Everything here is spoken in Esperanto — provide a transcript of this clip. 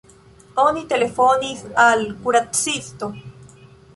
Oni telefonis al kuracisto.